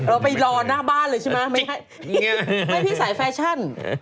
หรือเราไปรอน้าบ้านเลยใช่ไหมไม่ให้พี่ใส่แฟชั่น